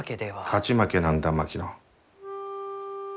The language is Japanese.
勝ち負けなんだ槙野。